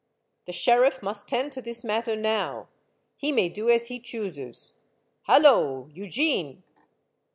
^'The sheriff must tend to this matter now. He may do as he chooses. Hallo !— Eugene